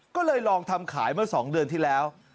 ก็เลยลองทำขายเมื่อ๒เดือนที่แล้ว